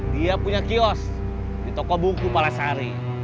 dia punya kios di toko buku malasari